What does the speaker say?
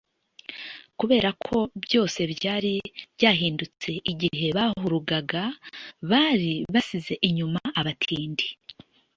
Kubera ko byose byari byahindutse igihe bahurugaga. Bari basize inyuma abatindi;